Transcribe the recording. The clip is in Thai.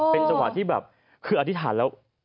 เป็นสัมภาษณ์ที่แบบคืออธิษฐานแล้ว